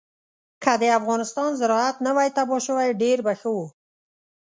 که د افغانستان زراعت نه وی تباه شوی ډېر به ښه وو.